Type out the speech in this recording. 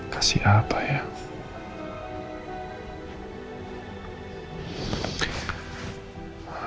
kasih apa ya